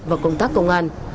và công tác công an